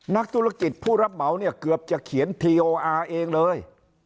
นักธุรกิจผู้รับเหมาเนี่ยเกือบจะเขียนทีโออาร์เองเลย